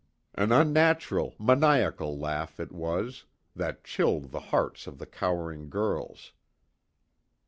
An unnatural, maniacal laugh, it was, that chilled the hearts of the cowering girls.